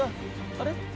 あれ？